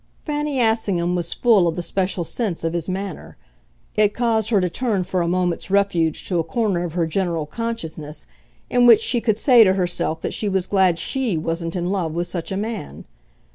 Fanny Assingham was full of the special sense of his manner: it caused her to turn for a moment's refuge to a corner of her general consciousness in which she could say to herself that she was glad SHE wasn't in love with such a man.